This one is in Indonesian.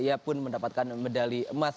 ia pun mendapatkan medali emas